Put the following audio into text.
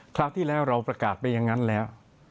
คราวที่แล้วเราประกาศไปอย่างนั้นแล้ว